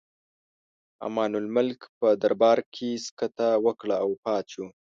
امان الملک په دربار کې سکته وکړه او وفات شو.